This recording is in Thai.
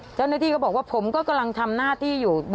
เจ้าหน้าที่ก็บอกว่าผมก็กำลังทำหน้าที่อยู่